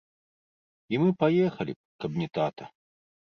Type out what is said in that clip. І мы паехалі б, каб не тата.